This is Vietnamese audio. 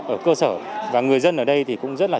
ở cơ sở và người dân ở đây thì cũng rất là